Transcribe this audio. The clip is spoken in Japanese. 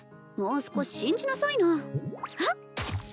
もう少し信じなさいなあっ！